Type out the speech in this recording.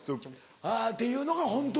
あぁっていうのがホント？